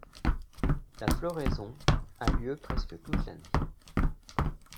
La floraison a lieu presque toute l'année.